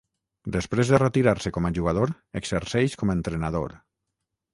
Després de retirar-se com a jugador, exerceix com a entrenador.